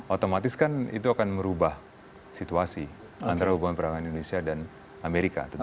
otomatis kan itu akan merubah situasi antara hubungan perangan indonesia dan amerika